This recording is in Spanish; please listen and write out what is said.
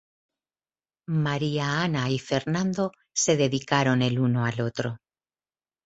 María Ana y Fernando se dedicaron el uno al otro.